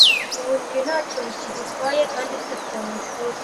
Ubujiji ntacyo bukidutwaye Kandi twifitiye amashuri,